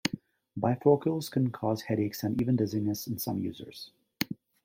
Bifocals can cause headaches and even dizziness in some users.